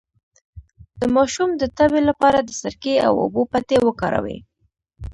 د ماشوم د تبې لپاره د سرکې او اوبو پټۍ وکاروئ